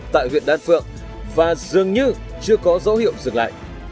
tại huyện đan phượng và dường như chưa có dấu hiệu dừng lại